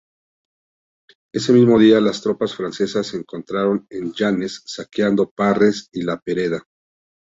Ese mismo día las tropas francesas entraron en Llanes, saqueando Parres y La Pereda.